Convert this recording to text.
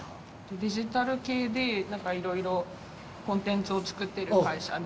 デジタル系で何か色々コンテンツを作ってる会社で。